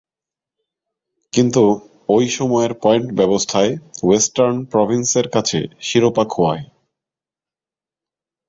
কিন্তু, ঐ সময়ের পয়েন্ট ব্যবস্থায় ওয়েস্টার্ন প্রভিন্সের কাছে শিরোপা খোঁয়ায়।